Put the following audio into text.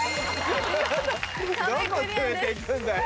どこ連れて行くんだよ？